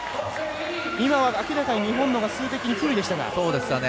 今は、明らかに日本が数的に不利でした。